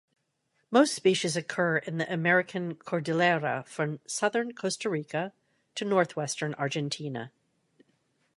Most species occur in the American Cordillera from southern Costa Rica to northwestern Argentina.